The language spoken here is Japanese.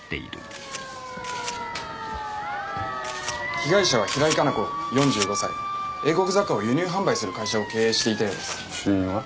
被害者は平井加奈子４５歳英国雑貨を輸入販売する会社を経営していたようです死因は？